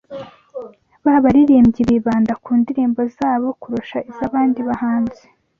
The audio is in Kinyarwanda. b’abaririmbyi bibanda ku ndirimbo zabo kurusha iz’abandi bahanzi